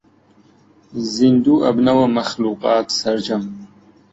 زیندوو ئەبنەوە مەخلووقات سەرجەم